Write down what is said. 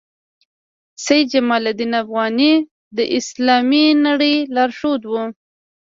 سید جمال الدین افغاني د اسلامي نړۍ لارښود وو.